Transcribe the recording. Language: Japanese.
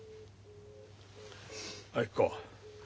明子